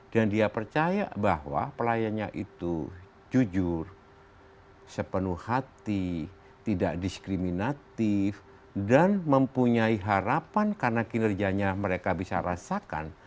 dan dia percaya bahwa pelayannya itu jujur sepenuh hati tidak diskriminatif dan mempunyai harapan karena kinerjanya mereka bisa rasakan